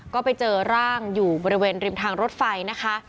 ก็ไปเจอร่างอยู่บริเวณริมทางรถไฟนะคะ